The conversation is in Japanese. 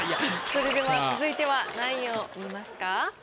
それでは続いては何位を見ますか？